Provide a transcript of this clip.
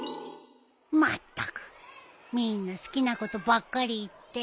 まったくみんな好きなことばっかり言って。